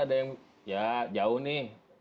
ada yang ya jauh nih